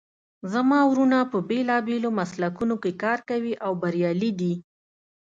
زما وروڼه په بیلابیلو مسلکونو کې کار کوي او بریالي دي